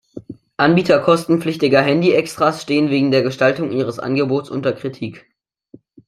Anbieter kostenpflichtiger Handy-Extras stehen wegen der Gestaltung ihres Angebots unter Kritik.